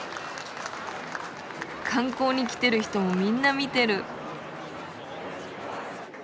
観光に来てる人もみんな見てる。